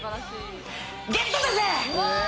ゲットだぜ！